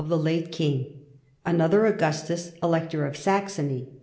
the lato king, another Augustus, Elector of Saxony.